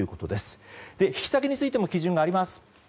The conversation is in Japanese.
そして、引き下げについても基準があります。